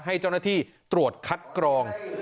ให้เจ้าหน้าที่ตรวจคัดกรอง